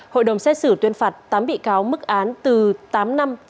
hội đồng xét xử tuyên phạt tám bị cáo mức án từ tám năm